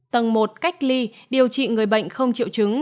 tầng một cách ly điều trị người bệnh không triệu chứng